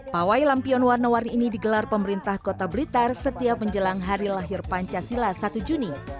pawai lampion warna warni ini digelar pemerintah kota blitar setiap menjelang hari lahir pancasila satu juni